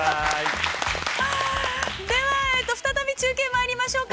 ◆では、再び中継まいりましょうか。